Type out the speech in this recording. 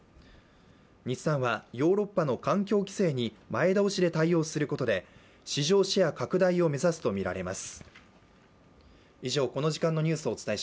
日産はヨーロッパの環境規制に前倒しで対応することで市場シェア拡大を目指すとみられます。